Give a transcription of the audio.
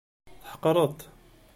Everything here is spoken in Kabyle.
Tḥeqreḍ-t.